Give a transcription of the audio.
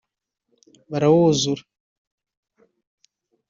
barawuzura